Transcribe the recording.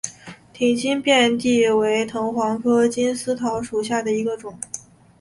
挺茎遍地金为藤黄科金丝桃属下的一个种。